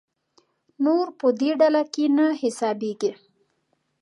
نور په دې ډله کې نه حسابېږي.